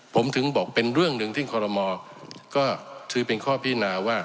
ผมถึงบอกเป็นเรื่องหนึ่งที่คอรมอก็ถือเป็นข้อพินาว่า